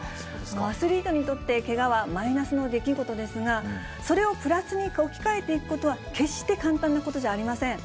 アスリートにとって、けがはマイナスの出来事ですが、それをプラスに置き換えていくことは、決して簡単なことではありません。